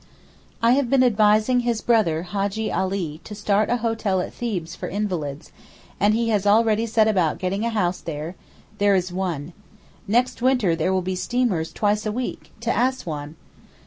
I have been advising his brother Hajjee Ali to start a hotel at Thebes for invalids, and he has already set about getting a house there; there is one. Next winter there will be steamers twice a week—to Assouan!